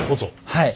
はい。